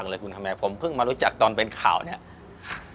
อันนี้มันก็อาจจะส่งผลถึงการที่ทำให้กีฬาสากลไม่พัฒนาไปด้วย